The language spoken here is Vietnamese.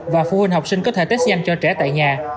và phụ huynh học sinh có thể test nhanh cho trẻ tại nhà